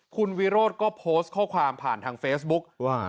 คุณวิโรธก็โพสต์ข้อความผ่านทางเฟซบุ๊คว่า